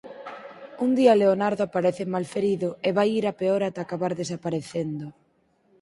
Un día Leonardo aparece malferido e vai ir a peor ata acabar desaparecendo.